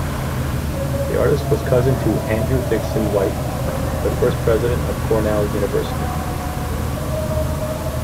The artist was cousin to Andrew Dickson White, the first president of Cornell University.